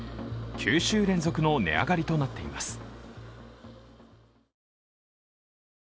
９週連続の値上がりとなっています